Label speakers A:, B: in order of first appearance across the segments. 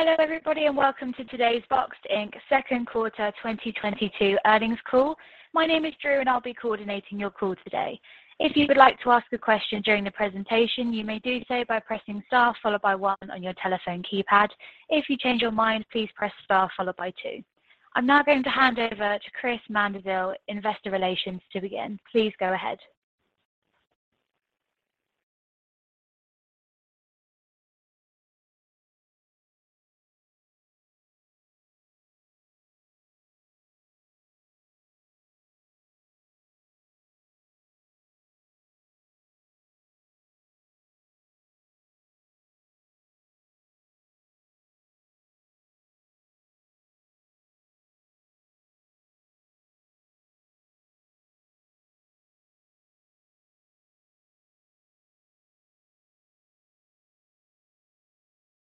A: Hello, everybody, and welcome to today's Boxed, Inc. second quarter 2022 earnings call. My name is Drew, and I'll be coordinating your call today. If you would like to ask a question during the presentation, you may do so by pressing star followed by one on your telephone keypad. If you change your mind, please press star followed by two. I'm now going to hand over to Chris Mandeville, investor relations, to begin. Please go ahead.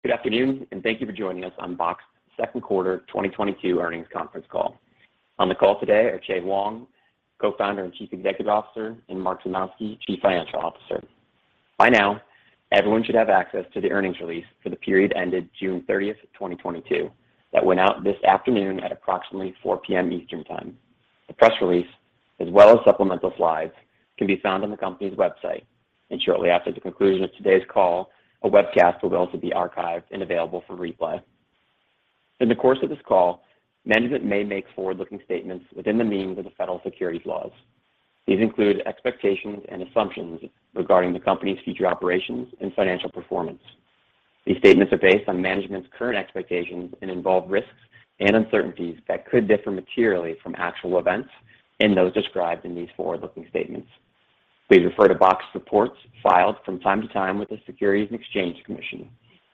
B: Good afternoon, and thank you for joining us on Boxed second quarter 2022 earnings conference call. On the call today are Chieh Huang, Co-founder and Chief Executive Officer, and Mark Zimowski, Chief Financial Officer. By now, everyone should have access to the earnings release for the period ended June 30th, 2022 that went out this afternoon at approximately 4:00 P.M. Eastern Time. The press release, as well as supplemental slides, can be found on the company's website, and shortly after the conclusion of today's call, a webcast will also be archived and available for replay. In the course of this call, management may make forward-looking statements within the meaning of the federal securities laws. These include expectations and assumptions regarding the company's future operations and financial performance. These statements are based on management's current expectations and involve risks and uncertainties that could differ materially from actual events and those described in these forward-looking statements. Please refer to Boxed reports filed from time to time with the Securities and Exchange Commission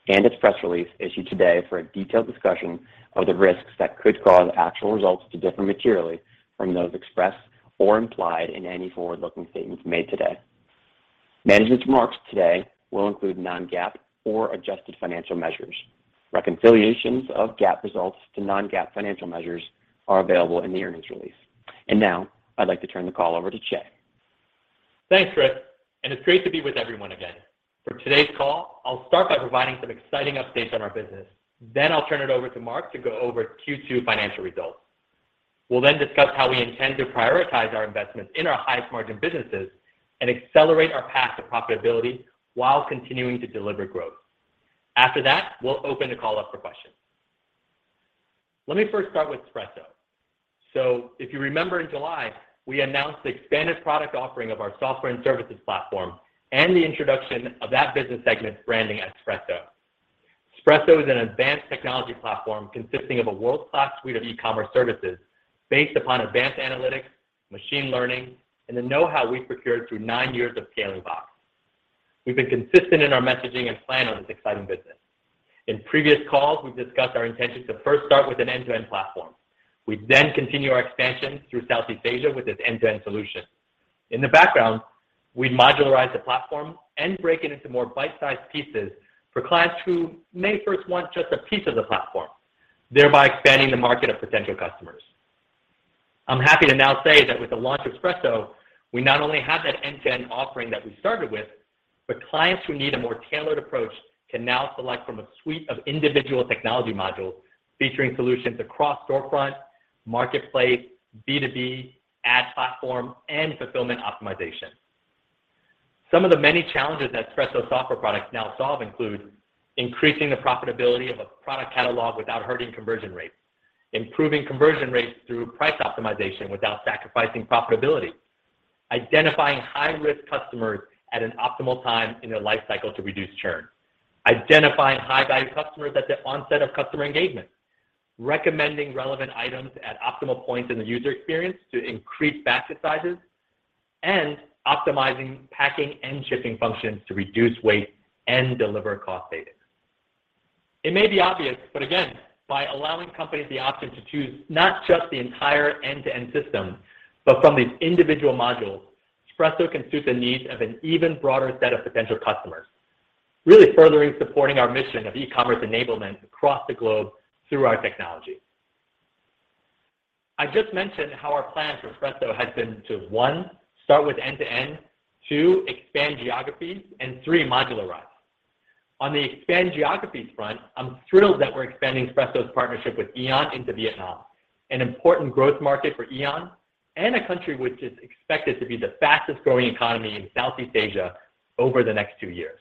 B: and its press release issued today for a detailed discussion of the risks that could cause actual results to differ materially from those expressed or implied in any forward-looking statements made today. Management's remarks today will include non-GAAP or adjusted financial measures. Reconciliations of GAAP results to non-GAAP financial measures are available in the earnings release. Now I'd like to turn the call over to Chieh.
C: Thanks, Chris, and it's great to be with everyone again. For today's call, I'll start by providing some exciting updates on our business, then I'll turn it over to Mark to go over Q2 financial results. We'll then discuss how we intend to prioritize our investments in our highest margin businesses and accelerate our path to profitability while continuing to deliver growth. After that, we'll open the call up for questions. Let me first start with Spresso. If you remember in July, we announced the expanded product offering of our software and services platform and the introduction of that business segment branding as Spresso. Spresso is an advanced technology platform consisting of a world-class suite of e-commerce services based upon advanced analytics, machine learning, and the know-how we procured through nine years of scaling Boxed. We've been consistent in our messaging and plan on this exciting business. In previous calls, we've discussed our intentions to first start with an end-to-end platform. We then continue our expansion through Southeast Asia with this end-to-end solution. In the background, we modularize the platform and break it into more bite-sized pieces for clients who may first want just a piece of the platform, thereby expanding the market of potential customers. I'm happy to now say that with the launch of Spresso, we not only have that end-to-end offering that we started with, but clients who need a more tailored approach can now select from a suite of individual technology modules featuring solutions across storefront, marketplace, B2B, ad platform, and fulfillment optimization. Some of the many challenges that Spresso software products now solve include increasing the profitability of a product catalog without hurting conversion rates, improving conversion rates through price optimization without sacrificing profitability, identifying high-risk customers at an optimal time in their life cycle to reduce churn, identifying high-value customers at the onset of customer engagement, recommending relevant items at optimal points in the user experience to increase basket sizes, and optimizing packing and shipping functions to reduce weight and deliver cost savings. It may be obvious, but again, by allowing companies the option to choose not just the entire end-to-end system, but from these individual modules, Spresso can suit the needs of an even broader set of potential customers, really further supporting our mission of e-commerce enablement across the globe through our technology. I just mentioned how our plans for Spresso have been to, one, start with end-to-end, two, expand geographies, and three, modularize. On the expand geographies front, I'm thrilled that we're expanding Spresso's partnership with AEON into Vietnam, an important growth market for AEON and a country which is expected to be the fastest-growing economy in Southeast Asia over the next two years.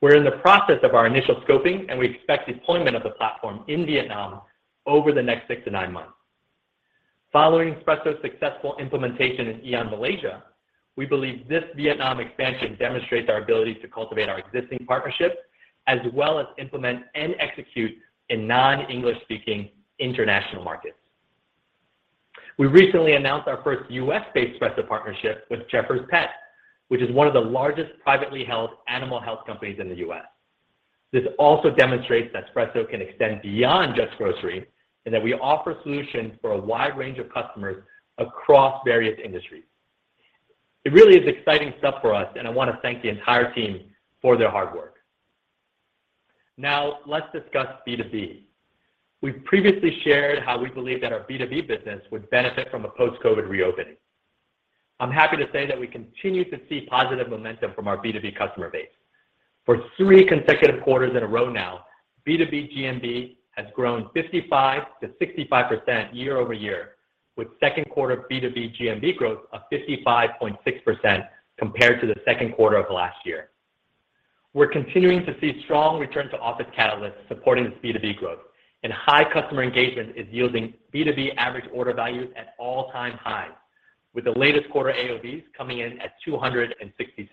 C: We're in the process of our initial scoping, and we expect deployment of the platform in Vietnam over the next 6-9 months. Following Spresso's successful implementation in AEON Malaysia, we believe this Vietnam expansion demonstrates our ability to cultivate our existing partnerships as well as implement and execute in non-English speaking international markets. We recently announced our first U.S.-based Spresso partnership with Jeffers Pet, which is one of the largest privately held animal health companies in the U.S. This also demonstrates that Spresso can extend beyond just grocery and that we offer solutions for a wide range of customers across various industries. It really is exciting stuff for us, and I want to thank the entire team for their hard work. Now let's discuss B2B. We've previously shared how we believe that our B2B business would benefit from a post-COVID reopening. I'm happy to say that we continue to see positive momentum from our B2B customer base. For three consecutive quarters in a row now, B2B GMV has grown 55%-65% year-over-year, with second quarter B2B GMV growth of 55.6% compared to the second quarter of last year. We're continuing to see strong return to office catalysts supporting this B2B growth, and high customer engagement is yielding B2B average order values at all-time highs, with the latest quarter AOV coming in at $267.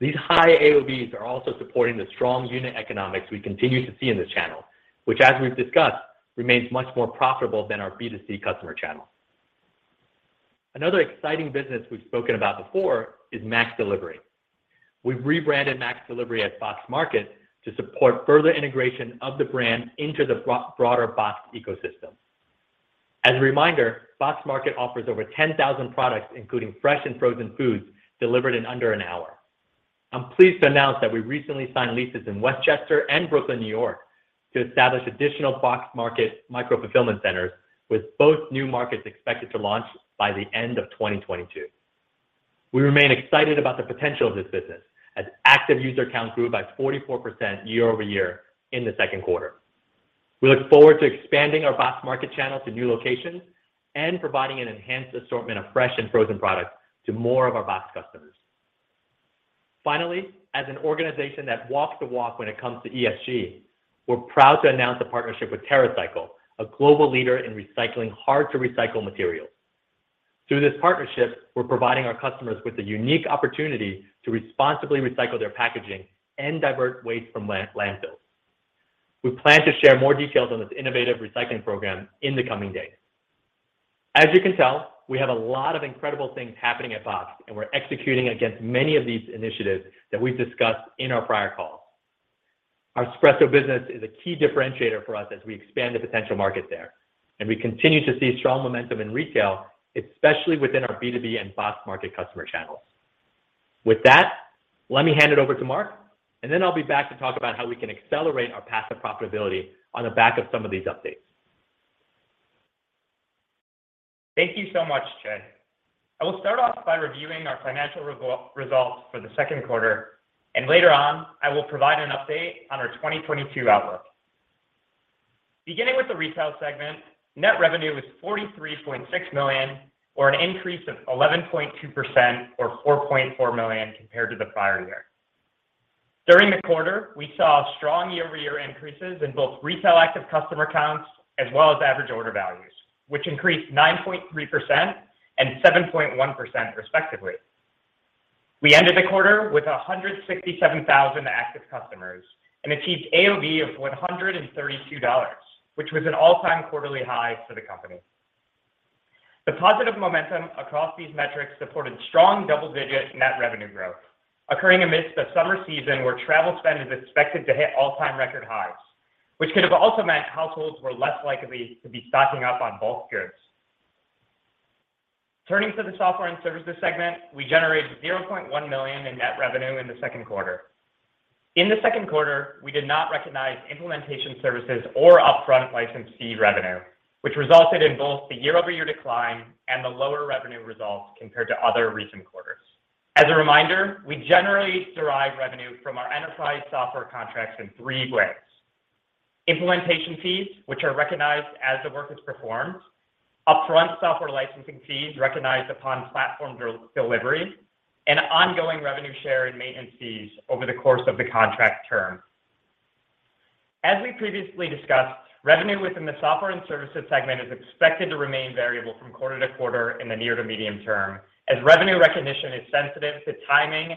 C: These high AOVs are also supporting the strong unit economics we continue to see in this channel, which as we've discussed, remains much more profitable than our B2C customer channel. Another exciting business we've spoken about before is MaxDelivery. We've rebranded MaxDelivery as Boxed Market to support further integration of the brand into the broader Boxed ecosystem. As a reminder, Boxed Market offers over 10,000 products, including fresh and frozen foods, delivered in under an hour. I'm pleased to announce that we recently signed leases in Westchester and Brooklyn, New York, to establish additional Boxed Market micro-fulfillment centers, with both new markets expected to launch by the end of 2022. We remain excited about the potential of this business as active user accounts grew by 44% year-over-year in the second quarter. We look forward to expanding our Boxed Market channel to new locations and providing an enhanced assortment of fresh and frozen products to more of our Boxed customers. Finally, as an organization that walks the walk when it comes to ESG, we're proud to announce a partnership with TerraCycle, a global leader in recycling hard-to-recycle materials. Through this partnership, we're providing our customers with the unique opportunity to responsibly recycle their packaging and divert waste from landfills. We plan to share more details on this innovative recycling program in the coming days. As you can tell, we have a lot of incredible things happening at Boxed, and we're executing against many of these initiatives that we've discussed in our prior calls. Our Spresso business is a key differentiator for us as we expand the potential market there, and we continue to see strong momentum in retail, especially within our B2B and Boxed Market customer channels. With that, let me hand it over to Mark, and then I'll be back to talk about how we can accelerate our path to profitability on the back of some of these updates.
D: Thank you so much, Chieh. I will start off by reviewing our financial results for the second quarter, and later on, I will provide an update on our 2022 outlook. Beginning with the retail segment, net revenue was $43.6 million, or an increase of 11.2%, or $4.4 million compared to the prior year. During the quarter, we saw strong year-over-year increases in both retail active customer counts as well as average order values, which increased 9.3% and 7.1% respectively. We ended the quarter with 167,000 active customers and achieved AOV of $132, which was an all-time quarterly high for the company. The positive momentum across these metrics supported strong double-digit net revenue growth occurring amidst a summer season where travel spend is expected to hit all-time record highs, which could have also meant households were less likely to be stocking up on bulk goods. Turning to the software and services segment, we generated $0.1 million in net revenue in the second quarter. In the second quarter, we did not recognize implementation services or upfront license fee revenue, which resulted in both the year-over-year decline and the lower revenue results compared to other recent quarters. As a reminder, we generally derive revenue from our enterprise software contracts in three ways, implementation fees, which are recognized as the work is performed, upfront software licensing fees recognized upon platform delivery, and ongoing revenue share and maintenance fees over the course of the contract term. As we previously discussed, revenue within the software and services segment is expected to remain variable from quarter to quarter in the near to medium term, as revenue recognition is sensitive to timing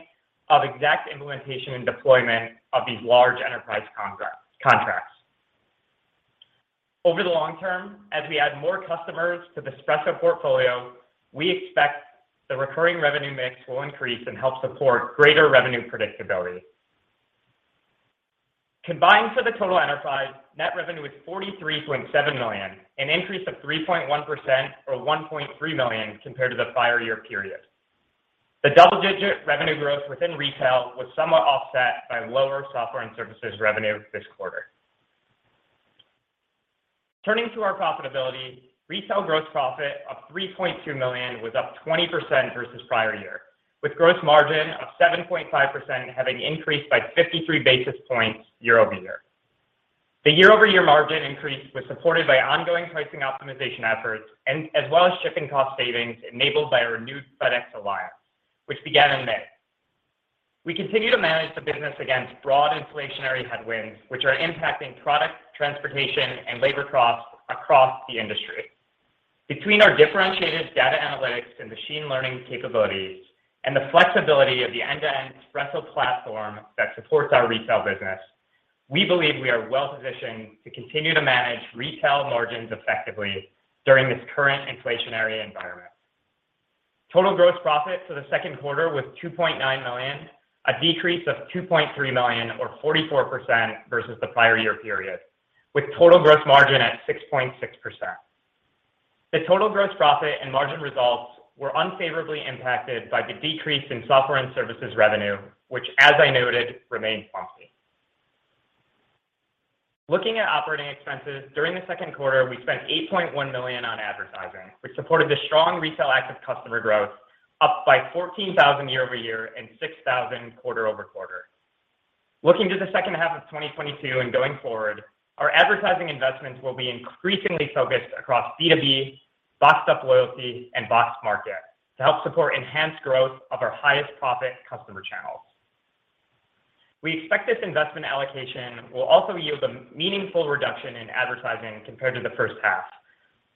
D: of exact implementation and deployment of these large enterprise contracts. Over the long term, as we add more customers to the Spresso portfolio, we expect the recurring revenue mix will increase and help support greater revenue predictability. Combined for the total enterprise, net revenue is $43.7 million, an increase of 3.1% or $1.3 million compared to the prior year period. The double-digit revenue growth within retail was somewhat offset by lower software and services revenue this quarter. Turning to our profitability, retail gross profit of $3.2 million was up 20% versus prior year, with gross margin of 7.5% having increased by 53 basis points year-over-year. The year-over-year margin increase was supported by ongoing pricing optimization efforts, and as well as shipping cost savings enabled by our renewed FedEx alliance, which began in May. We continue to manage the business against broad inflationary headwinds, which are impacting product, transportation, and labor costs across the industry. Between our differentiated data analytics and machine learning capabilities and the flexibility of the end-to-end Spresso platform that supports our retail business, we believe we are well-positioned to continue to manage retail margins effectively during this current inflationary environment. Total gross profit for the second quarter was $2.9 million, a decrease of $2.3 million or 44% versus the prior year period, with total gross margin at 6.6%. The total gross profit and margin results were unfavorably impacted by the decrease in software and services revenue, which as I noted, remains constant. Looking at operating expenses, during the second quarter, we spent $8.1 million on advertising, which supported the strong retail active customer growth up by 14,000 year-over-year and 6,000 quarter-over-quarter. Looking to the second half of 2022 and going forward, our advertising investments will be increasingly focused across B2B, Boxed Up loyalty, and Boxed Market to help support enhanced growth of our highest profit customer channels. We expect this investment allocation will also yield a meaningful reduction in advertising compared to the first half,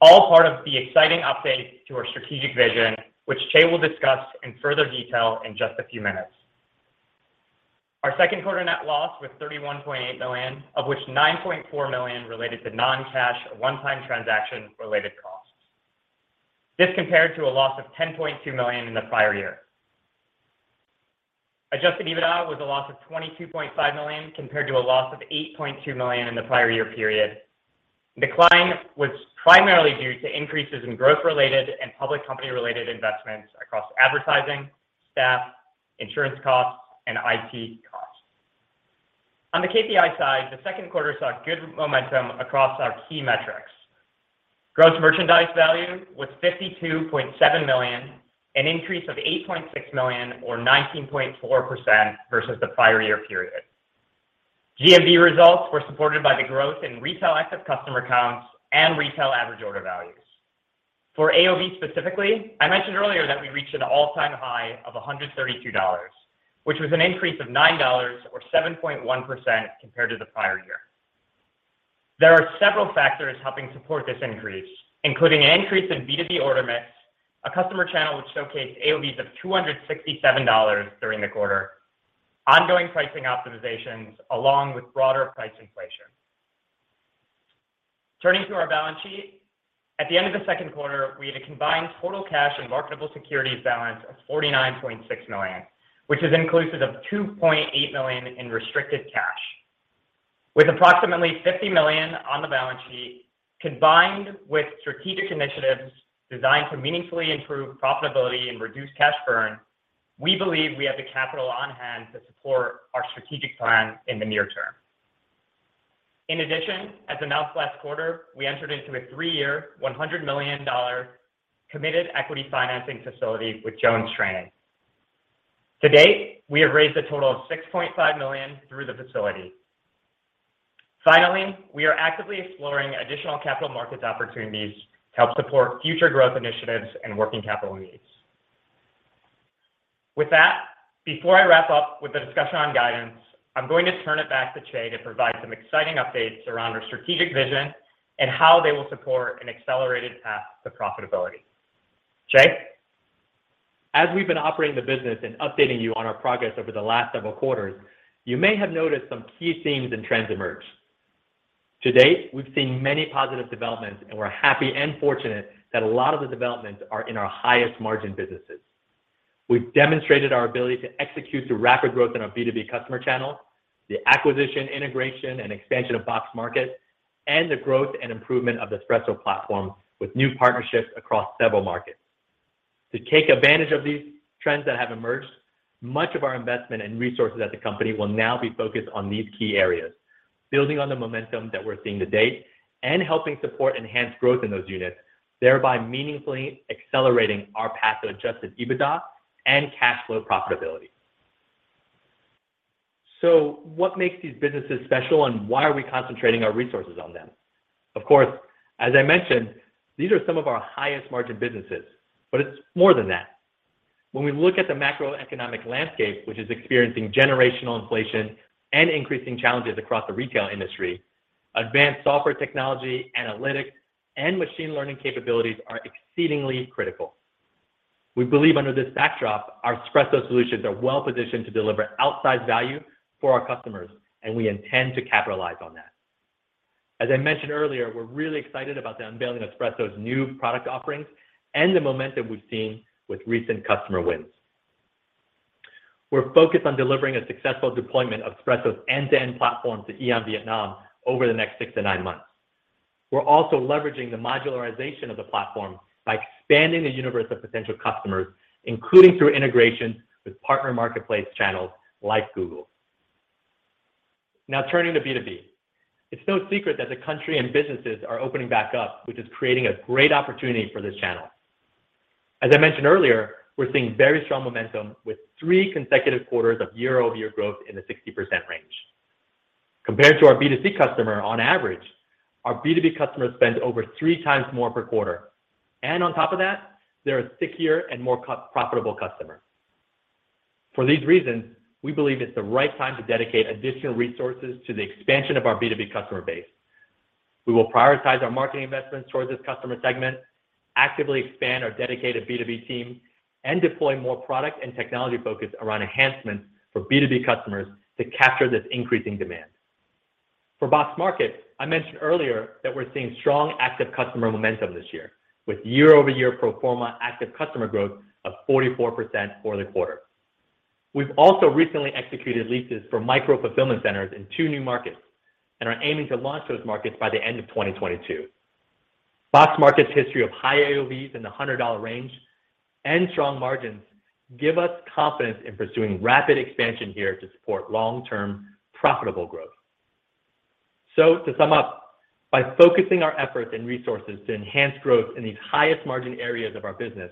D: all part of the exciting updates to our strategic vision, which Chieh will discuss in further detail in just a few minutes. Our second quarter net loss was $31.8 million, of which $9.4 million related to non-cash, one-time transaction-related costs. This compared to a loss of $10.2 million in the prior year. Adjusted EBITDA was a loss of $22.5 million, compared to a loss of $8.2 million in the prior year period. Decline was primarily due to increases in growth-related and public company-related investments across advertising, staff, insurance costs, and IT costs. On the KPI side, the second quarter saw good momentum across our key metrics. Gross merchandise value was $52.7 million, an increase of $8.6 million or 19.4% versus the prior year period. GMV results were supported by the growth in retail active customer counts and retail average order values. For AOV specifically, I mentioned earlier that we reached an all-time high of $132, which was an increase of $9 or 7.1% compared to the prior year. There are several factors helping support this increase, including an increase in B2B order mix, a customer channel which showcased AOVs of $267 during the quarter, ongoing pricing optimizations, along with broader price inflation. Turning to our balance sheet. At the end of the second quarter, we had a combined total cash and marketable securities balance of $49.6 million, which is inclusive of $2.8 million in restricted cash. With approximately $50 million on the balance sheet, combined with strategic initiatives designed to meaningfully improve profitability and reduce cash burn, we believe we have the capital on hand to support our strategic plan in the near term. In addition, as announced last quarter, we entered into a three-year, $100 million committed equity financing facility with JonesTrading. To date, we have raised a total of $6.5 million through the facility. Finally, we are actively exploring additional capital markets opportunities to help support future growth initiatives and working capital needs. With that, before I wrap up with the discussion on guidance, I'm going to turn it back to Chieh to provide some exciting updates around our strategic vision and how they will support an accelerated path to profitability. Chieh.
C: As we've been operating the business and updating you on our progress over the last several quarters, you may have noticed some key themes and trends emerge. To date, we've seen many positive developments, and we're happy and fortunate that a lot of the developments are in our highest margin businesses. We've demonstrated our ability to execute the rapid growth in our B2B customer channel, the acquisition, integration, and expansion of Boxed Market, and the growth and improvement of the Spresso platform with new partnerships across several markets. To take advantage of these trends that have emerged, much of our investment and resources at the company will now be focused on these key areas, building on the momentum that we're seeing to date and helping support enhanced growth in those units, thereby meaningfully accelerating our path to adjusted EBITDA and cash flow profitability. What makes these businesses special, and why are we concentrating our resources on them? Of course, as I mentioned, these are some of our highest margin businesses, but it's more than that. When we look at the macroeconomic landscape, which is experiencing generational inflation and increasing challenges across the retail industry, advanced software technology, analytics, and machine learning capabilities are exceedingly critical. We believe under this backdrop, our Spresso solutions are well-positioned to deliver outsized value for our customers, and we intend to capitalize on that. As I mentioned earlier, we're really excited about the unveiling of Spresso's new product offerings and the momentum we've seen with recent customer wins. We're focused on delivering a successful deployment of Spresso's end-to-end platform to AEON Vietnam over the next 6-9 months. We're also leveraging the modularization of the platform by expanding the universe of potential customers, including through integrations with partner marketplace channels like Google. Now turning to B2B. It's no secret that the country and businesses are opening back up, which is creating a great opportunity for this channel. As I mentioned earlier, we're seeing very strong momentum with three consecutive quarters of year-over-year growth in the 60% range. Compared to our B2C customer, on average, our B2B customers spend over 3x more per quarter. On top of that, they're a stickier and more profitable customer. For these reasons, we believe it's the right time to dedicate additional resources to the expansion of our B2B customer base. We will prioritize our marketing investments towards this customer segment, actively expand our dedicated B2B team, and deploy more product and technology focus around enhancements for B2B customers to capture this increasing demand. For Boxed Market, I mentioned earlier that we're seeing strong active customer momentum this year, with year-over-year pro forma active customer growth of 44% for the quarter. We've also recently executed leases for micro-fulfillment centers in two new markets and are aiming to launch those markets by the end of 2022. Boxed Market's history of high AOVs in the $100 range and strong margins give us confidence in pursuing rapid expansion here to support long-term profitable growth. To sum up, by focusing our efforts and resources to enhance growth in these highest margin areas of our business,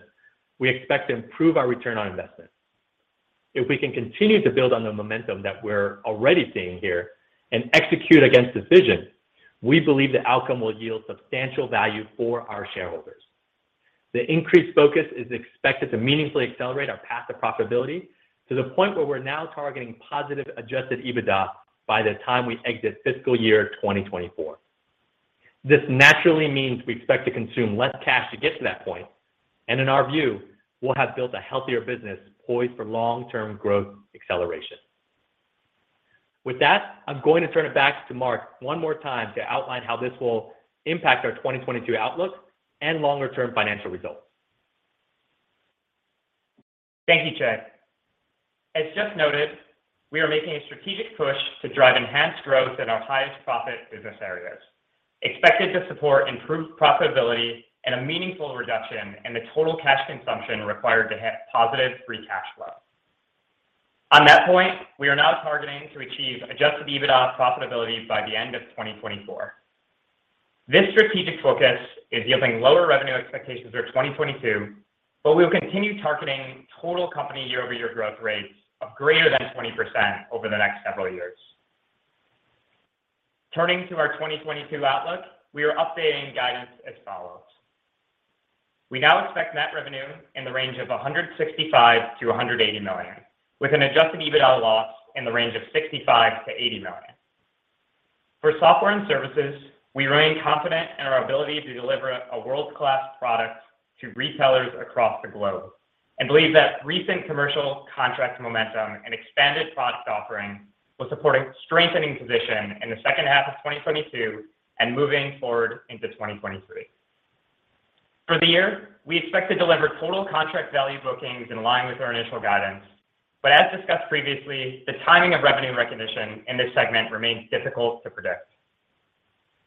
C: we expect to improve our return on investment. If we can continue to build on the momentum that we're already seeing here and execute against this vision, we believe the outcome will yield substantial value for our shareholders. The increased focus is expected to meaningfully accelerate our path to profitability to the point where we're now targeting positive adjusted EBITDA by the time we exit fiscal year 2024. This naturally means we expect to consume less cash to get to that point, and in our view, we'll have built a healthier business poised for long-term growth acceleration. With that, I'm going to turn it back to Mark one more time to outline how this will impact our 2022 outlook and longer-term financial results.
D: Thank you, Chieh. As just noted, we are making a strategic push to drive enhanced growth in our highest profit business areas, expected to support improved profitability and a meaningful reduction in the total cash consumption required to hit positive free cash flow. On that point, we are now targeting to achieve adjusted EBITDA profitability by the end of 2024. This strategic focus is yielding lower revenue expectations for 2022, but we will continue targeting total company year-over-year growth rates of greater than 20% over the next several years. Turning to our 2022 outlook, we are updating guidance as follows. We now expect net revenue in the range of $165 million-$180 million, with an adjusted EBITDA loss in the range of $65 million-$80 million. For software and services, we remain confident in our ability to deliver a world-class product to retailers across the globe, and believe that recent commercial contract momentum and expanded product offering will support a strengthening position in the second half of 2022 and moving forward into 2023. For the year, we expect to deliver total contract value bookings in line with our initial guidance. As discussed previously, the timing of revenue recognition in this segment remains difficult to predict.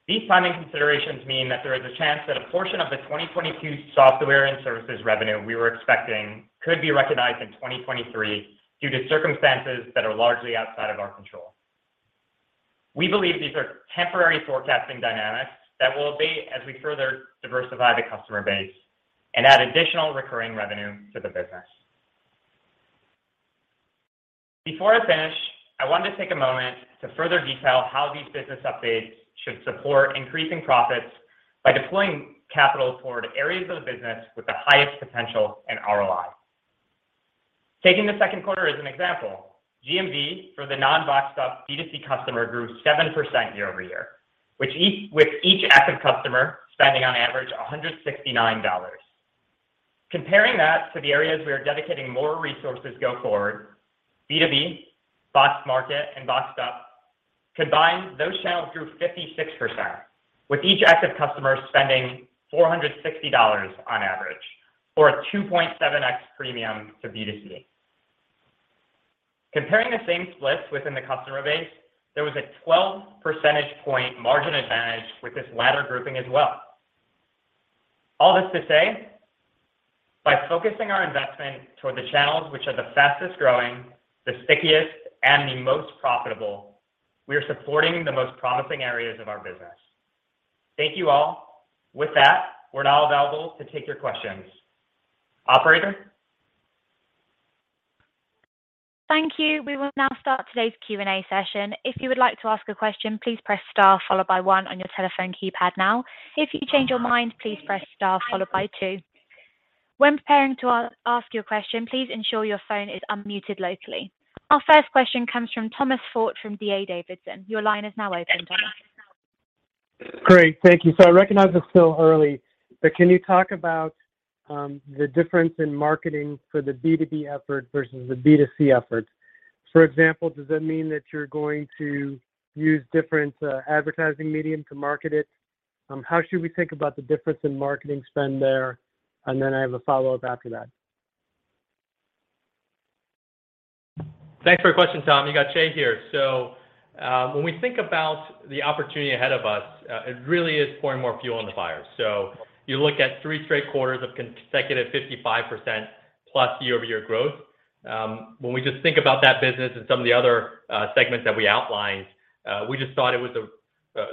D: These timing considerations mean that there is a chance that a portion of the 2022 software and services revenue we were expecting could be recognized in 2023 due to circumstances that are largely outside of our control. We believe these are temporary forecasting dynamics that will abate as we further diversify the customer base and add additional recurring revenue to the business. Before I finish, I wanted to take a moment to further detail how these business updates should support increasing profits by deploying capital toward areas of the business with the highest potential and ROI. Taking the second quarter as an example, GMV for the non-Boxed Up B2C customer grew 7% year-over-year, with each active customer spending on average $169. Comparing that to the areas we are dedicating more resources going forward, B2B, Boxed Market, and Boxed Up, combined, those channels grew 56%, with each active customer spending $460 on average, or a 2.7x premium to B2C. Comparing the same splits within the customer base, there was a 12 percentage point margin advantage with this latter grouping as well. All this to say, by focusing our investment toward the channels which are the fastest-growing, the stickiest, and the most profitable, we are supporting the most promising areas of our business. Thank you all. With that, we're now available to take your questions. Operator?
A: Thank you. We will now start today's Q&A session. If you would like to ask a question, please press star followed by one on your telephone keypad now. If you change your mind, please press star followed by two. When preparing to ask your question, please ensure your phone is unmuted locally. Our first question comes from Tom Forte from D.A. Davidson. Your line is now open, Thomas.
E: Great. Thank you. I recognize it's still early, but can you talk about the difference in marketing for the B2B effort versus the B2C effort? For example, does that mean that you're going to use different advertising medium to market it? How should we think about the difference in marketing spend there? I have a follow-up after that.
C: Thanks for your question, Tom. You got Chieh here. When we think about the opportunity ahead of us, it really is pouring more fuel on the fire. You look at three straight quarters of consecutive 55%+ year-over-year growth. When we just think about that business and some of the other segments that we outlined, we just thought it was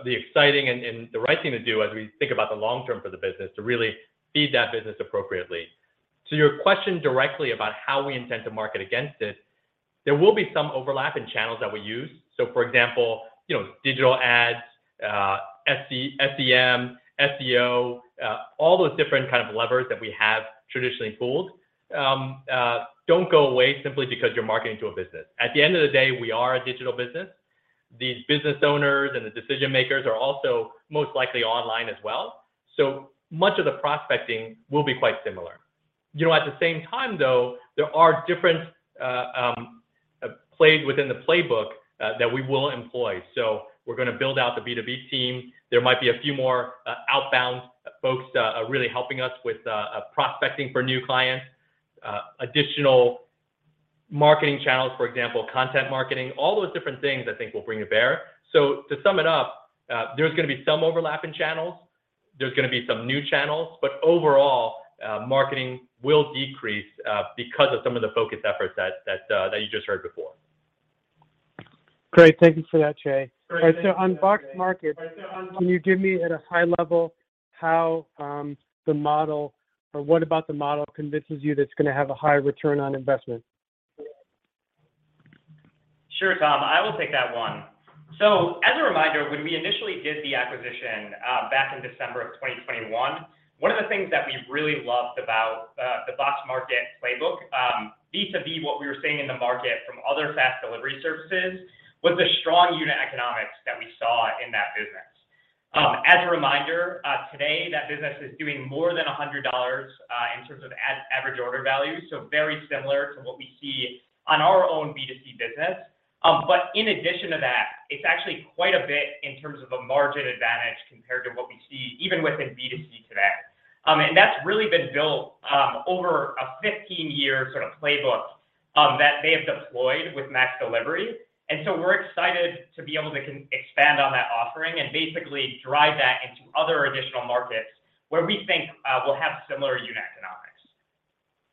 C: the exciting and the right thing to do as we think about the long term for the business to really feed that business appropriately. To your question directly about how we intend to market against this, there will be some overlap in channels that we use. For example, you know, digital ads, SEM, SEO, all those different kind of levers that we have traditionally pulled, don't go away simply because you're marketing to a business. At the end of the day, we are a digital business. These business owners and the decision-makers are also most likely online as well. Much of the prospecting will be quite similar. You know, at the same time, though, there are different plays within the playbook that we will employ. We're gonna build out the B2B team. There might be a few more outbound folks really helping us with prospecting for new clients, additional marketing channels, for example, content marketing, all those different things I think will bring to bear. To sum it up, there's gonna be some overlap in channels, there's gonna be some new channels, but overall, marketing will decrease because of some of the focus efforts that you just heard before.
E: Great. Thank you for that, Chieh.
C: Great.
E: All right. On Boxed Market, can you give me at a high level how the model or what about the model convinces you that it's gonna have a high return on investment?
D: Sure, Tom. I will take that one. As a reminder, when we initially did the acquisition, back in December of 2021, one of the things that we really loved about the Boxed Market playbook, vis-à-vis what we were seeing in the market from other fast delivery services, was the strong unit economics that we saw in that business. As a reminder, today, that business is doing more than $100 in terms of average order value, so very similar to what we see on our own B2C business. In addition to that, it's actually quite a bit in terms of a margin advantage compared to what we see even within B2C today. That's really been built over a 15-year sort of playbook that they have deployed with MaxDelivery. We're excited to be able to expand on that offering and basically drive that into other additional markets where we think we'll have similar unit economics.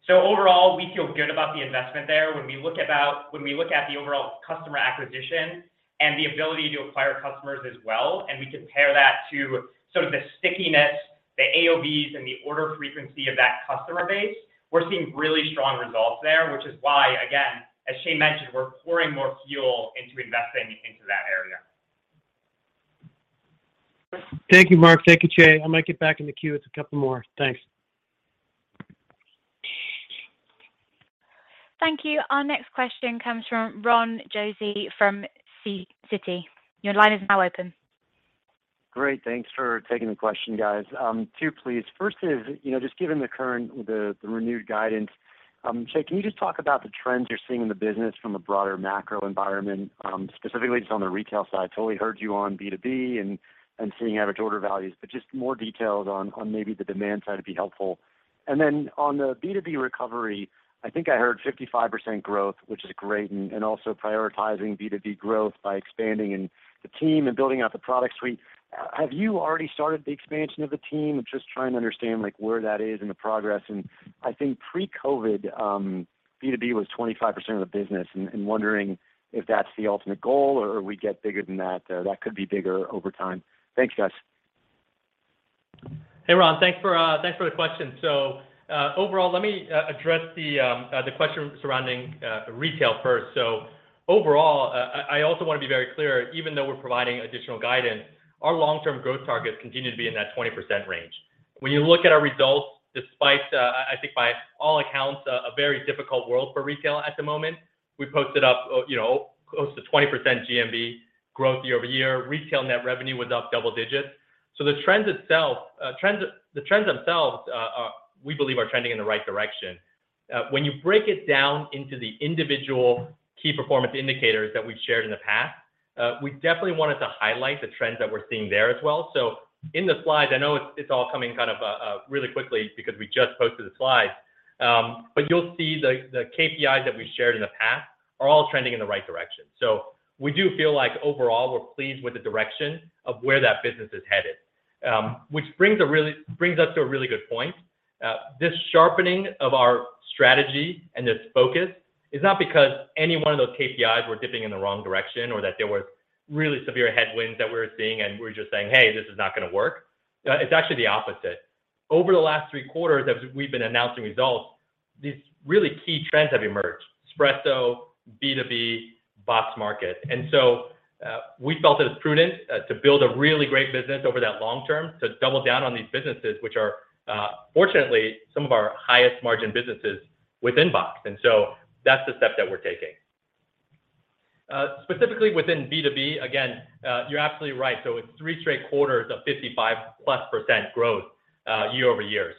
D: Overall, we feel good about the investment there. When we look at the overall customer acquisition and the ability to acquire customers as well, and we compare that to sort of the stickiness, the AOV and the order frequency of that customer base, we're seeing really strong results there, which is why, again, as Chieh mentioned, we're pouring more fuel into investing into that area.
E: Thank you, Mark. Thank you, Chieh. I might get back in the queue. It's a couple more. Thanks.
A: Thank you. Our next question comes from Ron Josey from Citi. Your line is now open.
F: Great. Thanks for taking the question, guys. Two, please. First is just given the current renewed guidance, Chieh, can you just talk about the trends you're seeing in the business from a broader macro environment, specifically just on the retail side? Totally heard you on B2B and seeing average order values, but just more details on maybe the demand side would be helpful. On the B2B recovery, I think I heard 55% growth, which is great, and also prioritizing B2B growth by expanding the team and building out the product suite. Have you already started the expansion of the team? I'm just trying to understand, like, where that is in the progress. I think pre-COVID, B2B was 25% of the business, and wondering if that's the ultimate goal or we get bigger than that could be bigger over time. Thanks, guys.
C: Hey, Ron. Thanks for the question. Overall, let me address the question surrounding retail first. Overall, I also wanna be very clear, even though we're providing additional guidance, our long-term growth targets continue to be in that 20% range. When you look at our results, despite, I think by all accounts, a very difficult world for retail at the moment, we posted up, you know, close to 20% GMV growth year-over-year. Retail net revenue was up double digits. The trends themselves, we believe are trending in the right direction. When you break it down into the individual key performance indicators that we've shared in the past, we definitely wanted to highlight the trends that we're seeing there as well. In the slides, I know it's all coming kind of really quickly because we just posted the slides, but you'll see the KPIs that we shared in the past are all trending in the right direction. We do feel like overall, we're pleased with the direction of where that business is headed, which brings us to a really good point. This sharpening of our strategy and this focus is not because any one of those KPIs were dipping in the wrong direction or that there was really severe headwinds that we're seeing and we're just saying, "Hey, this is not gonna work." It's actually the opposite. Over the last three quarters that we've been announcing results, these really key trends have emerged, Spresso, B2B, Boxed Market. We felt it was prudent to build a really great business over that long term to double down on these businesses, which are fortunately some of our highest margin businesses within Boxed. That's the step that we're taking. Specifically within B2B, again, you're absolutely right. It's three straight quarters of 55%+ growth year-over-year.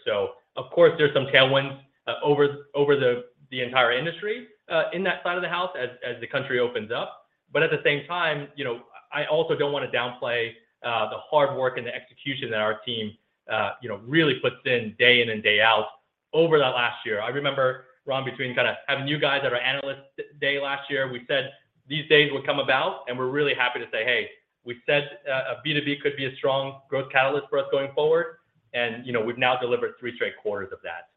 C: Of course, there's some tailwinds over the entire industry in that side of the house as the country opens up. At the same time, you know, I also don't wanna downplay the hard work and the execution that our team, you know, really puts in day in and day out over that last year. I remember, Ron, between kinda having you guys at our analyst day last year, we said these days would come about, and we're really happy to say, "Hey, we said, B2B could be a strong growth catalyst for us going forward," and, you know, we've now delivered three straight quarters of that.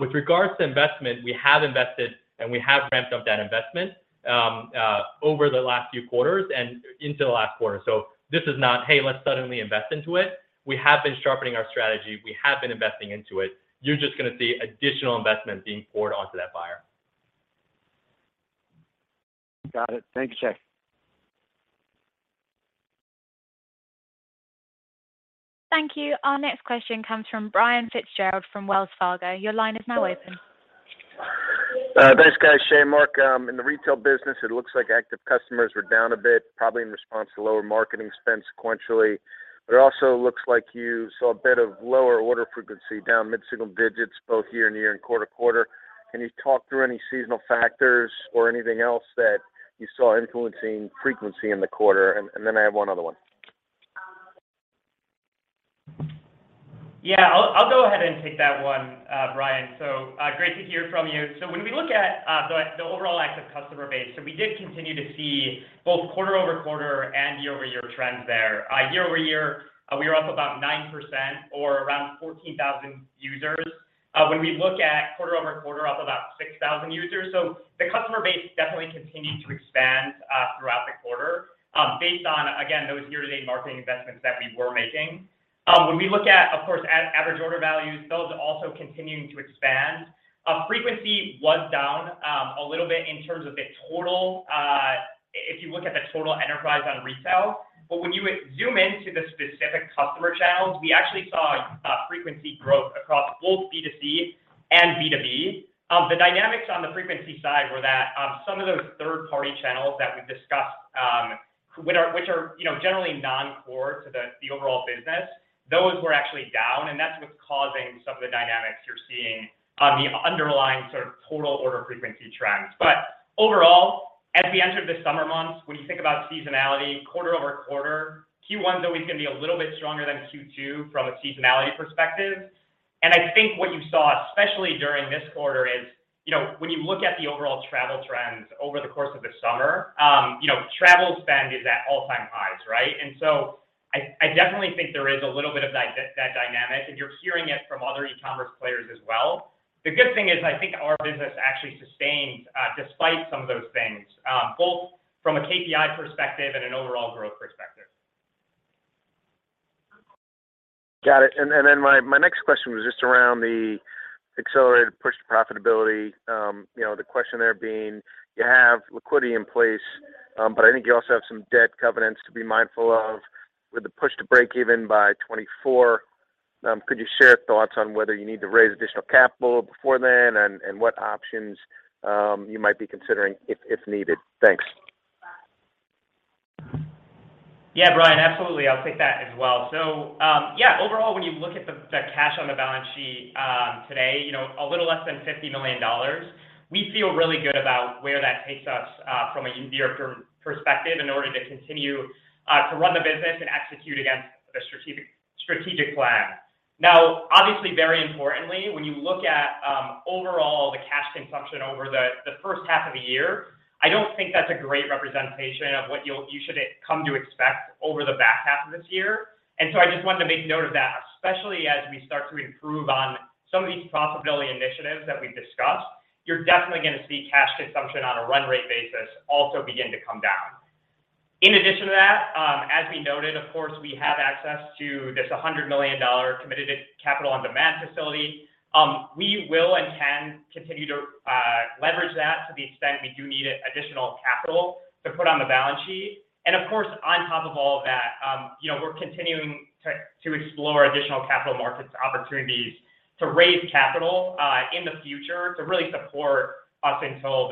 C: With regards to investment, we have invested, and we have ramped up that investment, over the last few quarters and into the last quarter. This is not, "Hey, let's suddenly invest into it." We have been sharpening our strategy. We have been investing into it. You're just gonna see additional investment being poured onto that fire.
F: Got it. Thank you, Chieh.
A: Thank you. Our next question comes from Brian Fitzgerald from Wells Fargo. Your line is now open.
G: Thanks, guys. Chieh and Mark, in the retail business, it looks like active customers were down a bit, probably in response to lower marketing spend sequentially. It also looks like you saw a bit of lower order frequency down mid-single digits both year-over-year and quarter-over-quarter. Can you talk through any seasonal factors or anything else that you saw influencing frequency in the quarter? I have one other one.
D: Yeah, I'll go ahead and take that one, Brian. Great to hear from you. When we look at the overall active customer base, we did continue to see both quarter-over-quarter and year-over-year trends there. Year-over-year, we are up about 9% or around 14,000 users. When we look at quarter-over-quarter, up about 6,000 users. The customer base definitely continued to expand throughout the quarter based on, again, those year-to-date marketing investments that we were making. When we look at, of course, at average order values, those are also continuing to expand. Frequency was down a little bit in terms of the total if you look at the total enterprise on retail. When you zoom into the specific customer channels, we actually saw frequency growth across both B2C and B2B. The dynamics on the frequency side were that some of those third-party channels that we've discussed, which are, you know, generally non-core to the overall business, those were actually down, and that's what's causing some of the dynamics you're seeing on the underlying sort of total order frequency trends. Overall, as we enter the summer months, when you think about seasonality, quarter-over-quarter, Q1 is always gonna be a little bit stronger than Q2 from a seasonality perspective. I think what you saw, especially during this quarter is, you know, when you look at the overall travel trends over the course of the summer, you know, travel spend is at all-time highs, right? I definitely think there is a little bit of that dynamic, and you're hearing it from other e-commerce players as well. The good thing is, I think our business actually sustained despite some of those things, both from a KPI perspective and an overall growth perspective.
G: Got it. My next question was just around the accelerated push to profitability, you know, the question there being you have liquidity in place, but I think you also have some debt covenants to be mindful of with the push to break even by 2024. Could you share thoughts on whether you need to raise additional capital before then and what options you might be considering if needed? Thanks.
D: Yeah, Brian, absolutely. I'll take that as well. So, yeah, overall, when you look at the cash on the balance sheet today, you know, a little less than $50 million, we feel really good about where that takes us from a near-term perspective in order to continue to run the business and execute against the strategic plan. Now, obviously, very importantly, when you look at overall the cash consumption over the first half of the year, I don't think that's a great representation of what you should come to expect over the back half of this year. I just wanted to make note of that, especially as we start to improve on some of these profitability initiatives that we've discussed. You're definitely gonna see cash consumption on a run rate basis also begin to come down. In addition to that, as we noted, of course, we have access to this $100 million committed capital on-demand facility. We will and can continue to leverage that to the extent we do need additional capital to put on the balance sheet. Of course, on top of all of that, you know, we're continuing to explore additional capital markets opportunities to raise capital in the future to really support us until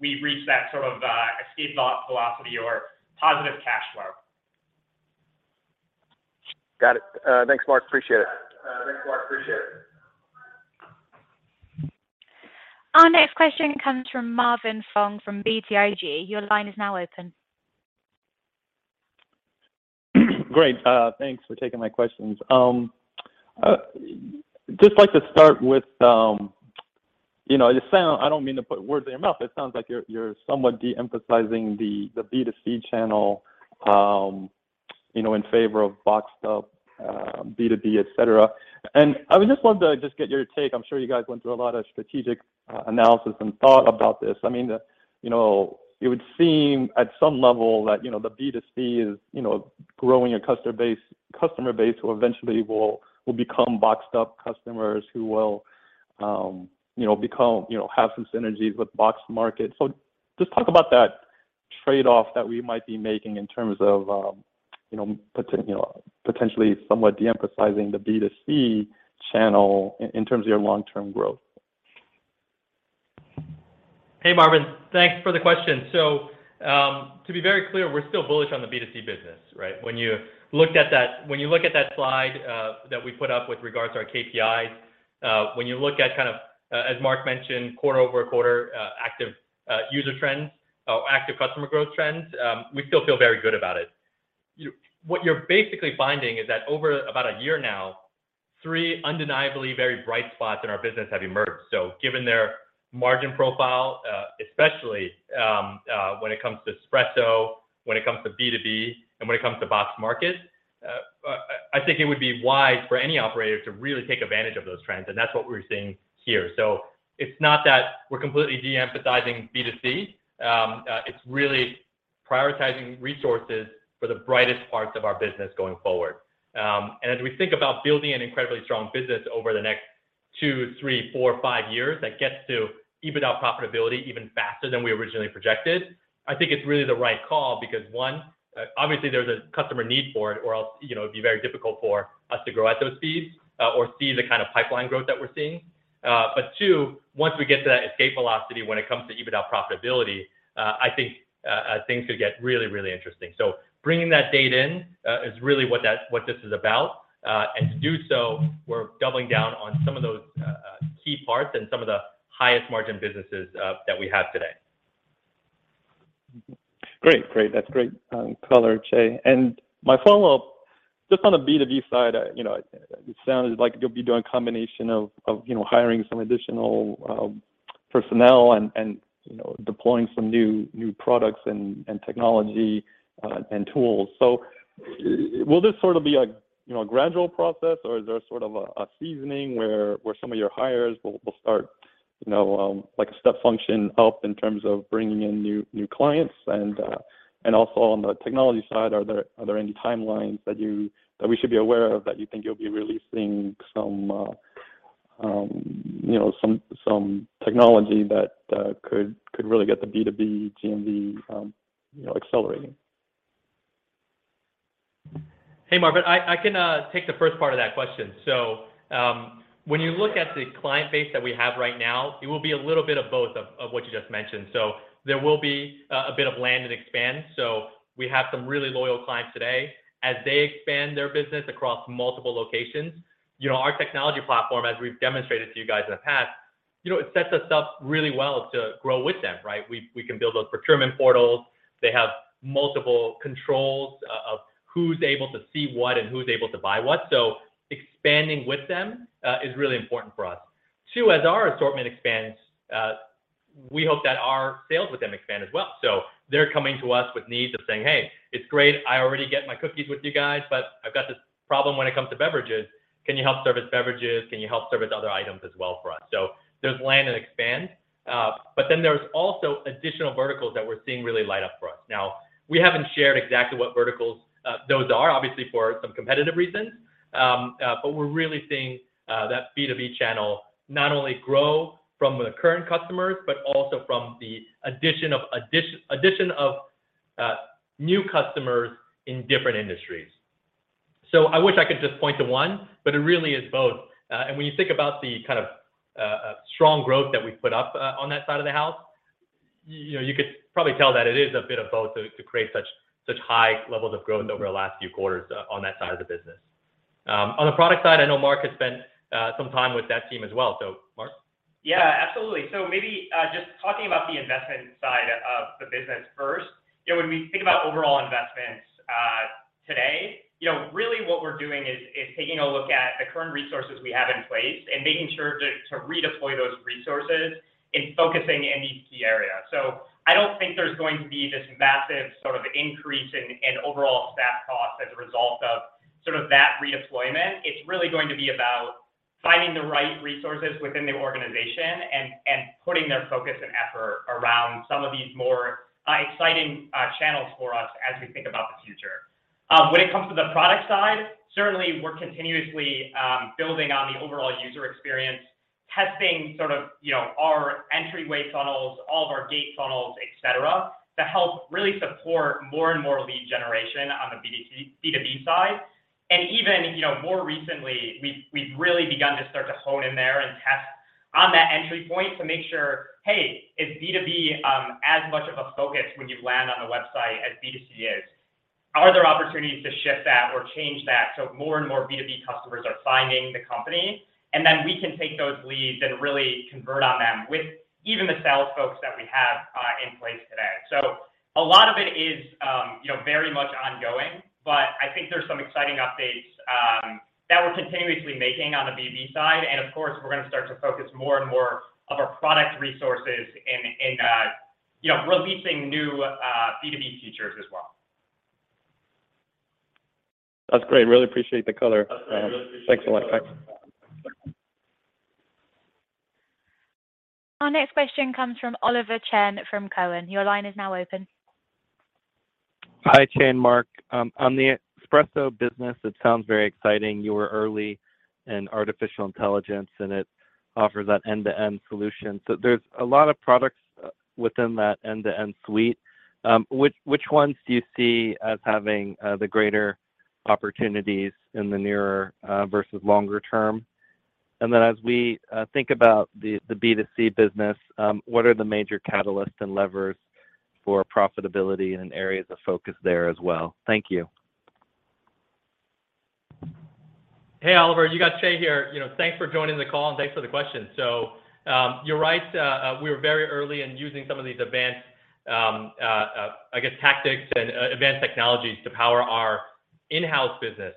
D: we reach that sort of escape velocity or positive cash flow.
G: Got it. Thanks, Mark. Appreciate it.
A: Our next question comes from Marvin Fong from BTIG. Your line is now open.
H: Great. Thanks for taking my questions. Just like to start with, you know, it sounds like, I don't mean to put words in your mouth, you're somewhat de-emphasizing the B2C channel, you know, in favor of Boxed Up, B2B, et cetera. I would just want to get your take. I'm sure you guys went through a lot of strategic analysis and thought about this. I mean, you know, it would seem at some level that, you know, the B2C is, you know, growing a customer base who eventually will become Boxed Up customers who will, you know, become, you know, have some synergies with Boxed Market. Just talk about that trade-off that we might be making in terms of, you know, potential. You know, potentially somewhat de-emphasizing the B2C channel in terms of your long-term growth.
C: Hey, Marvin. Thanks for the question. To be very clear, we're still bullish on the B2C business, right? When you look at that slide that we put up with regards to our KPIs, when you look at kind of, as Mark mentioned, quarter-over-quarter active user trends or active customer growth trends, we still feel very good about it. What you're basically finding is that over about a year now, three undeniably very bright spots in our business have emerged. Given their margin profile, especially when it comes to Spresso, when it comes to B2B, and when it comes to Boxed Market, I think it would be wise for any operator to really take advantage of those trends, and that's what we're seeing here. It's not that we're completely de-emphasizing B2C. It's really prioritizing resources for the brightest parts of our business going forward. As we think about building an incredibly strong business over the next two, three, four, five years that gets to EBITDA profitability even faster than we originally projected, I think it's really the right call because one, obviously there's a customer need for it or else, you know, it'd be very difficult for us to grow at those speeds, or see the kinda pipeline growth that we're seeing. Two, once we get to that escape velocity when it comes to EBITDA profitability, I think things could get really, really interesting. Bringing that data in is really what this is about. To do so, we're doubling down on some of those key parts and some of the highest margin businesses that we have today.
H: Great. That's great, color, Chieh. My follow-up, just on the B2B side, you know, it sounds like you'll be doing a combination of, you know, hiring some additional personnel and, you know, deploying some new products and technology, and tools. Will this sort of be a, you know, a gradual process, or is there sort of a seasoning where some of your hires will start, you know, like a step function up in terms of bringing in new clients? Also on the technology side, are there any timelines that we should be aware of, that you think you'll be releasing some, you know, some technology that could really get the B2B GMV, you know, accelerating?
C: Hey, Marvin. I can take the first part of that question. When you look at the client base that we have right now, it will be a little bit of both of what you just mentioned. There will be a bit of land and expand. We have some really loyal clients today. As they expand their business across multiple locations, you know, our technology platform, as we've demonstrated to you guys in the past, you know, it sets us up really well to grow with them, right? We can build those procurement portals. They have multiple controls of who's able to see what and who's able to buy what. Expanding with them is really important for us. Too, as our assortment expands, we hope that our sales with them expand as well. They're coming to us with needs of saying, "Hey, it's great I already get my cookies with you guys, but I've got this problem when it comes to beverages. Can you help service beverages? Can you help service other items as well for us?" There's land and expand, but then there's also additional verticals that we're seeing really light up for us. Now, we haven't shared exactly what verticals those are, obviously for some competitive reasons. We're really seeing that B2B channel not only grow from the current customers, but also from the addition of new customers in different industries. I wish I could just point to one, but it really is both. When you think about the kind of strong growth that we've put up on that side of the house, you know, you could probably tell that it is a bit of both to create such high levels of growth over the last few quarters on that side of the business. On the product side, I know Mark has spent some time with that team as well. Mark?
D: Yeah, absolutely. Maybe, just talking about the investment side of the business first. You know, when we think about overall investments, today, you know, really what we're doing is taking a look at the current resources we have in place and making sure to redeploy those resources in focusing in these key areas. I don't think there's going to be this massive sort of increase in overall staff costs as a result of sort of that redeployment. It's really going to be about finding the right resources within the organization and putting their focus and effort around some of these more exciting channels for us as we think about the future. When it comes to the product side, certainly we're continuously building on the overall user experience, testing sort of, you know, our entryway funnels, all of our gate funnels, et cetera, to help really support more and more lead generation on the B2C, B2B side. Even, you know, more recently, we've really begun to start to hone in there and test on that entry point to make sure, hey, is B2B as much of a focus when you land on the website as B2C is? Are there opportunities to shift that or change that so more and more B2B customers are finding the company? Then we can take those leads and really convert on them with even the sales folks that we have in place today. A lot of it is, you know, very much ongoing, but I think there's some exciting updates that we're continuously making on the B2B side. Of course, we're gonna start to focus more and more of our product resources in you know releasing new B2B features as well.
H: That's great. Really appreciate the color. Thanks a lot. Thanks.
A: Our next question comes from Oliver Chen from Cowen. Your line is now open.
I: Hi, Chieh and Mark. On the Spresso business, it sounds very exciting. You were early in artificial intelligence, and it offers that end-to-end solution. There's a lot of products within that end-to-end suite. Which ones do you see as having the greater opportunities in the nearer versus longer term? As we think about the B2C business, what are the major catalysts and levers for profitability and areas of focus there as well? Thank you.
C: Hey, Oliver. You got Chieh here. You know, thanks for joining the call, and thanks for the question. You're right. We were very early in using some of these advanced, I guess tactics and advanced technologies to power our in-house business.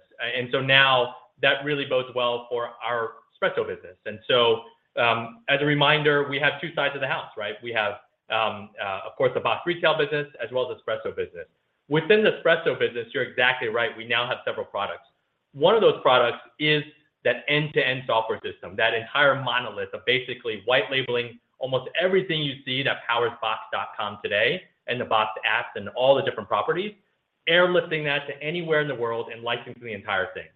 C: Now that really bodes well for our Spresso business. As a reminder, we have two sides of the house, right? We have, of course, the Boxed Retail business as well as Spresso business. Within the Spresso business, you're exactly right, we now have several products. One of those products is that end-to-end software system, that entire monolith of basically white labeling almost everything you see that powers Boxed.com today and the Boxed apps and all the different properties, airlifting that to anywhere in the world and licensing the entire thing.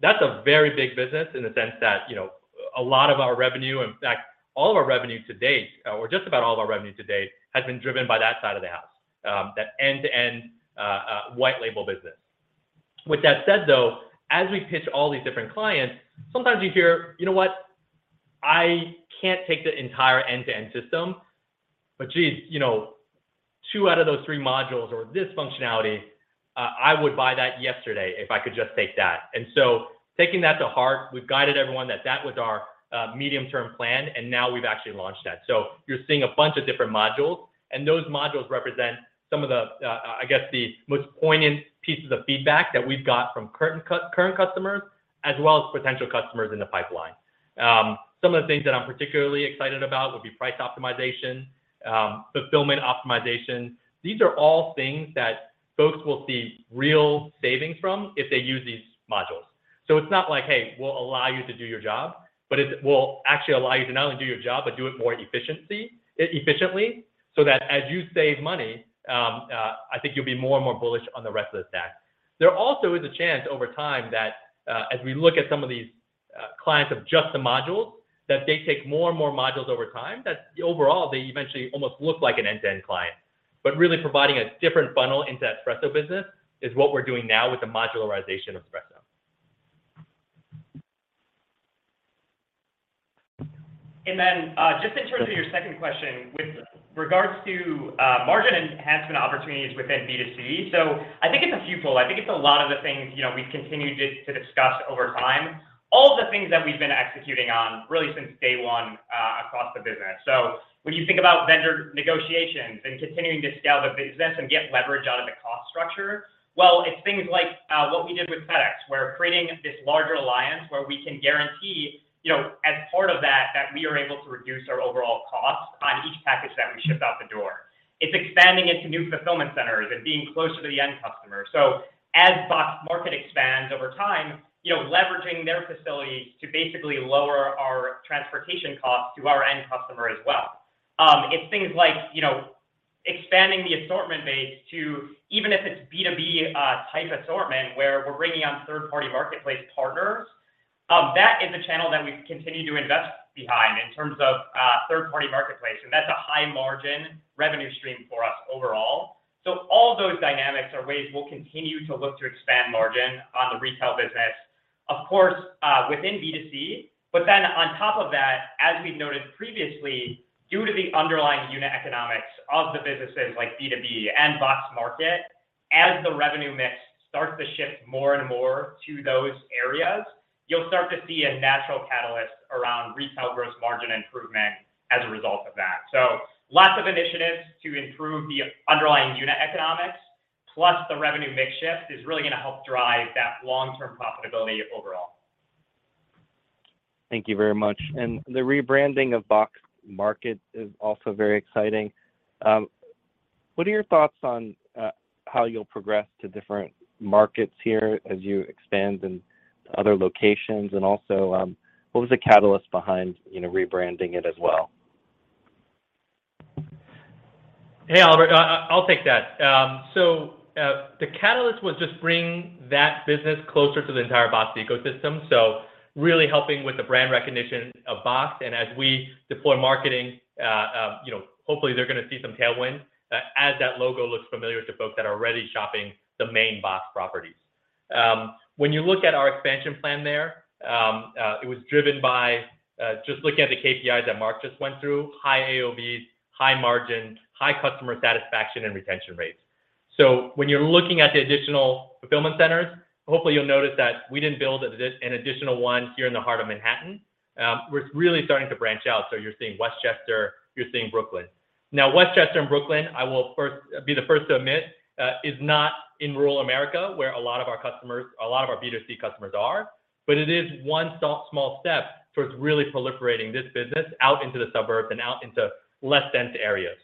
C: That's a very big business in the sense that, you know, a lot of our revenue, in fact, all of our revenue to date, or just about all of our revenue to date has been driven by that side of the house, that end-to-end, white label business. With that said, though, as we pitch all these different clients, sometimes you hear, "You know what? I can't take the entire end-to-end system, but geez, you know, two out of those three modules or this functionality. I would buy that yesterday if I could just take that." Taking that to heart, we've guided everyone that that was our medium-term plan, and now we've actually launched that. You're seeing a bunch of different modules, and those modules represent some of the, I guess, the most poignant pieces of feedback that we've got from current customers as well as potential customers in the pipeline. Some of the things that I'm particularly excited about would be price optimization, fulfillment optimization. These are all things that folks will see real savings from if they use these modules. It's not like, "Hey, we'll allow you to do your job," but it will actually allow you to not only do your job but do it more efficiently, so that as you save money, I think you'll be more and more bullish on the rest of the stack. There also is a chance over time that, as we look at some of these, clients of just the modules, that they take more and more modules over time, that overall, they eventually almost look like an end-to-end client. But really providing a different funnel into that Spresso business is what we're doing now with the modularization of Spresso.
D: Just in terms of your second question with regards to margin enhancement opportunities within B2C. I think it's a few fold. I think it's a lot of the things, you know, we've continued to discuss over time, all of the things that we've been executing on really since day one, across the business. When you think about vendor negotiations and continuing to scale the business and get leverage out of the cost structure, well, it's things like what we did with FedEx. We're creating this larger alliance where we can guarantee, you know, as part of that we are able to reduce our overall cost on each package that we ship out the door. It's expanding into new fulfillment centers and being closer to the end customer. As Boxed Market expands over time, you know, leveraging their facilities to basically lower our transportation costs to our end customer as well. It's things like, you know, expanding the assortment base to even if it's B2B type assortment, where we're bringing on third-party marketplace partners, that is a channel that we continue to invest behind in terms of third-party marketplace, and that's a high margin revenue stream for us overall. All those dynamics are ways we'll continue to look to expand margin on the retail business, of course, within B2C. On top of that, as we've noted previously, due to the underlying unit economics of the businesses like B2B and Boxed Market, as the revenue mix starts to shift more and more to those areas, you'll start to see a natural catalyst around retail gross margin improvement as a result of that. Lots of initiatives to improve the underlying unit economics plus the revenue mix shift is really gonna help drive that long-term profitability overall.
I: Thank you very much. The rebranding of Boxed Market is also very exciting. What are your thoughts on how you'll progress to different markets here as you expand in other locations? What was the catalyst behind, you know, rebranding it as well?
C: Hey, Oliver, I'll take that. The catalyst was just bringing that business closer to the entire Boxed ecosystem, so really helping with the brand recognition of Boxed. As we deploy marketing, you know, hopefully, they're gonna see some tailwind, as that logo looks familiar to folks that are already shopping the main Boxed properties. When you look at our expansion plan there, it was driven by just looking at the KPIs that Mark just went through, high AOV, high margin, high customer satisfaction and retention rates. When you're looking at the additional fulfillment centers, hopefully, you'll notice that we didn't build an additional one here in the heart of Manhattan. We're really starting to branch out. You're seeing Westchester, you're seeing Brooklyn. Now, Westchester and Brooklyn, I will be the first to admit, is not in rural America, where a lot of our customers, a lot of our B2C customers are, but it is one small step towards really proliferating this business out into the suburbs and out into less dense areas.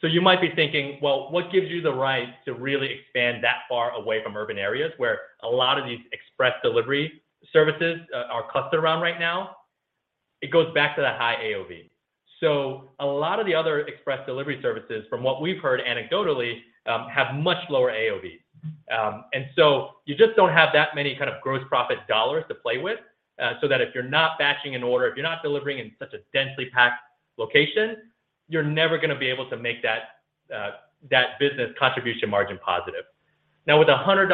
C: You might be thinking, "Well, what gives you the right to really expand that far away from urban areas where a lot of these express delivery services are clustered around right now?" It goes back to that high AOV. A lot of the other express delivery services, from what we've heard anecdotally, have much lower AOVs. You just don't have that many kind of gross profit dollars to play with, so that if you're not batching an order, if you're not delivering in such a densely packed location, you're never gonna be able to make that business contribution margin positive. Now, with a $100+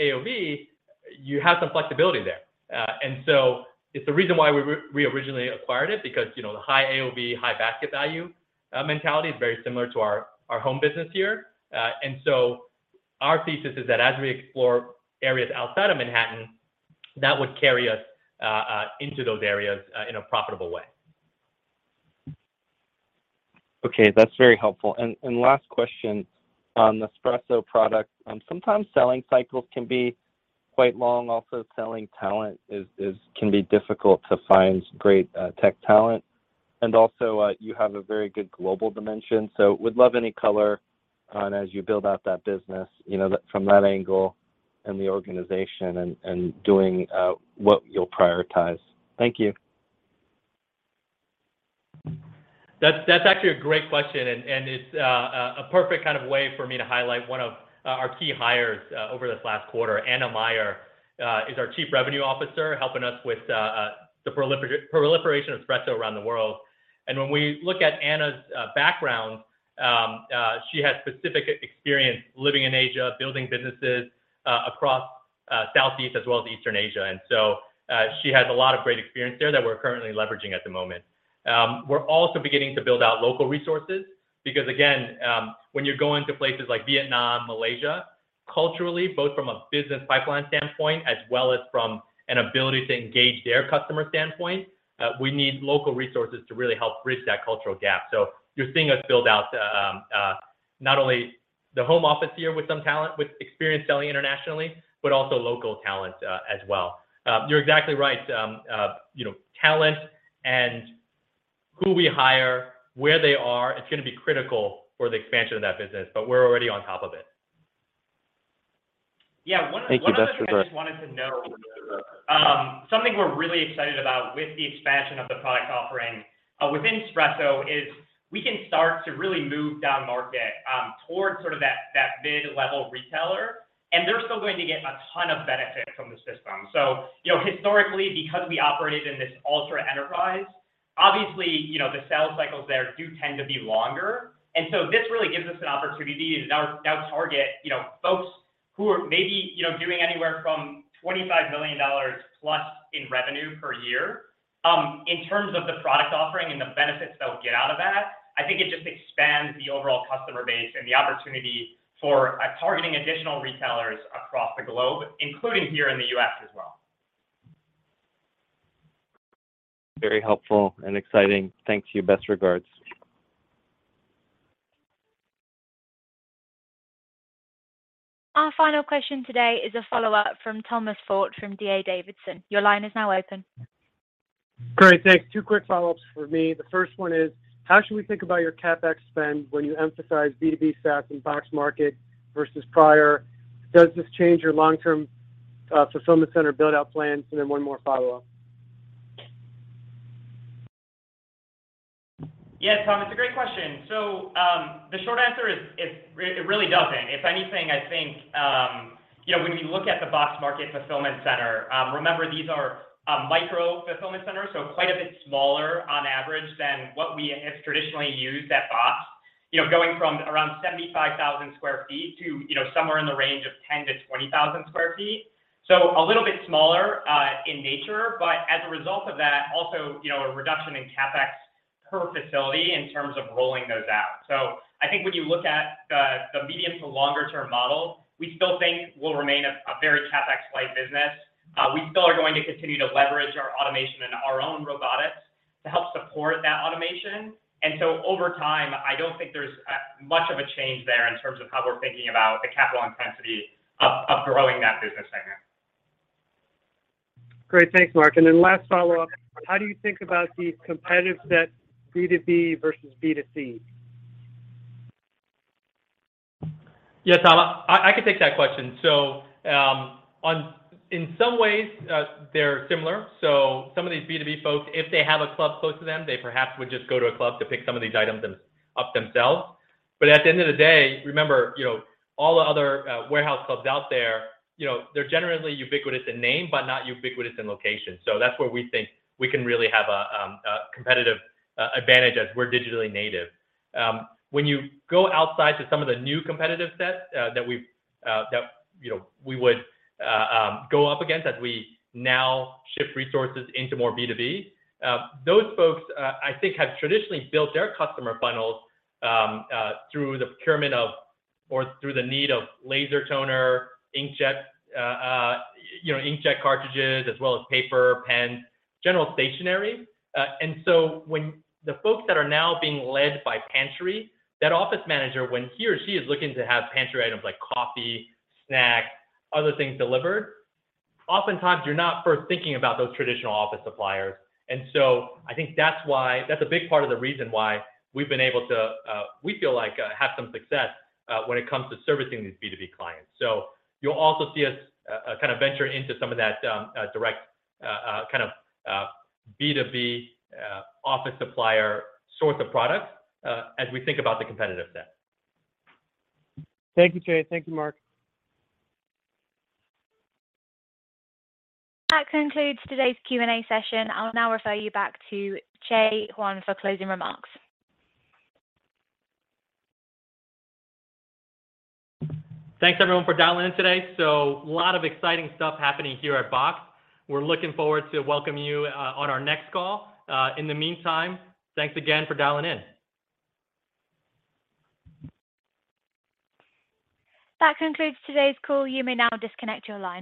C: AOV, you have some flexibility there. It's the reason why we originally acquired it because, you know, the high AOV, high basket value mentality is very similar to our home business here. Our thesis is that as we explore areas outside of Manhattan, that would carry us into those areas in a profitable way.
I: Okay. That's very helpful. Last question on Spresso product. Sometimes selling cycles can be quite long. Also, selling talent can be difficult to find great tech talent. Also, you have a very good global dimension, so would love any color on as you build out that business, you know, that from that angle and the organization and doing what you'll prioritize. Thank you.
C: That's actually a great question, and it's a perfect kind of way for me to highlight one of our key hires over this last quarter. Anna Meyer is our Chief Revenue Officer helping us with the proliferation of Spresso around the world. When we look at Anna's background, she has specific experience living in Asia, building businesses across Southeast as well as Eastern Asia. She has a lot of great experience there that we're currently leveraging at the moment. We're also beginning to build out local resources because, again, when you're going to places like Vietnam, Malaysia, culturally, both from a business pipeline standpoint as well as from an ability to engage their customer standpoint, we need local resources to really help bridge that cultural gap. You're seeing us build out, not only the home office here with some talent with experience selling internationally, but also local talent, as well. You're exactly right, you know, talent and who we hire, where they are, it's gonna be critical for the expansion of that business, but we're already on top of it.
D: Yeah.
I: Thank you. Best regards.
D: One of the things I just wanted to know, something we're really excited about with the expansion of the product offering within Spresso is we can start to really move down market towards sort of that mid-level retailer, and they're still going to get a ton of benefit from the system. You know, historically, because we operated in this ultra enterprise, obviously, you know, the sales cycles there do tend to be longer. This really gives us an opportunity to now target, you know, folks who are maybe, you know, doing anywhere from $25 million plus in revenue per year. In terms of the product offering and the benefits they'll get out of that, I think it just expands the overall customer base and the opportunity for targeting additional retailers across the globe, including here in the U.S. as well.
I: Very helpful and exciting. Thank you. Best regards.
A: Our final question today is a follow-up from Tom Forte from D.A. Davidson. Your line is now open.
E: Great. Thanks. Two quick follow-ups from me. The first one is, how should we think about your CapEx spend when you emphasize B2B SaaS and Boxed Market versus prior? Does this change your long-term fulfillment center build-out plans? One more follow-up.
D: Yeah, Tom, it's a great question. The short answer is, it really doesn't. If anything, I think, you know, when we look at the Boxed Market fulfillment center, remember these are micro-fulfillment centers, so quite a bit smaller on average than what we have traditionally used at Boxed. You know, going from around 75,000 sq ft to, you know, somewhere in the range of 10,000-20,000 sq ft. A little bit smaller in nature, but as a result of that, also, you know, a reduction in CapEx per facility in terms of rolling those out. I think when you look at the medium to longer term model, we still think we'll remain a very CapEx-light business. We still are going to continue to leverage our automation and our own robotics to help support that automation. Over time, I don't think there's much of a change there in terms of how we're thinking about the capital intensity of growing that business segment.
E: Great. Thanks, Mark. Last follow-up. How do you think about the competitive set B2B versus B2C?
C: Tom, I can take that question. In some ways, they're similar. Some of these B2B folks, if they have a club close to them, they perhaps would just go to a club to pick some of these items up themselves. But at the end of the day, remember, you know, all the other warehouse clubs out there, you know, they're generally ubiquitous in name, but not ubiquitous in location. That's where we think we can really have a competitive advantage as we're digitally native. When you go outside to some of the new competitive set that we would go up against as we now shift resources into more B2B, those folks I think have traditionally built their customer funnels through the procurement of, or through the need of laser toner, inkjet, you know, inkjet cartridges, as well as paper, pens, general stationery. When the folks that are now being led by pantry, that office manager, when he or she is looking to have pantry items like coffee, snacks, other things delivered, oftentimes you're not first thinking about those traditional office suppliers. I think that's why that's a big part of the reason why we've been able to, we feel like, have some success when it comes to servicing these B2B clients. You'll also see us kind of venture into some of that direct kind of B2B office supplier source of product as we think about the competitive set.
E: Thank you, Chieh. Thank you, Mark.
A: That concludes today's Q&A session. I'll now refer you back to Chieh Huang for closing remarks.
C: Thanks everyone for dialing in today. A lot of exciting stuff happening here at Boxed. We're looking forward to welcoming you on our next call. In the meantime, thanks again for dialing in.
A: That concludes today's call. You may now disconnect your line.